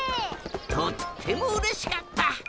とってもうれしかった！